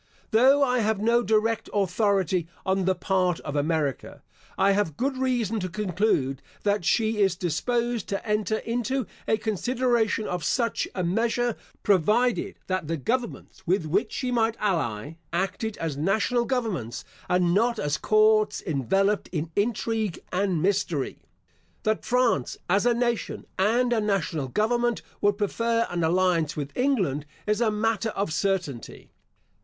Though I have no direct authority on the part of America, I have good reason to conclude, that she is disposed to enter into a consideration of such a measure, provided, that the governments with which she might ally, acted as national governments, and not as courts enveloped in intrigue and mystery. That France as a nation, and a national government, would prefer an alliance with England, is a matter of certainty.